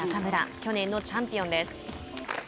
去年のチャンピオンです。